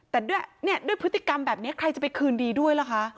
แต่ด้วยพฤติกรรมแบบนี้ใครจะไปคืนดีด้วยล่ะคะ